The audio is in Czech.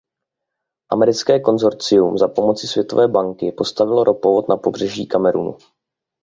Americké konsorcium za pomoci Světové banky postavilo ropovod na pobřeží Kamerunu.